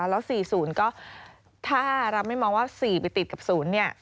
แล้ว๔๐ก็ถ้าเราไม่มองว่า๔ไปติดกับ๐เนี่ย